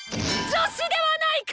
女子ではないか！